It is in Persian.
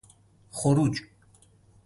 خروج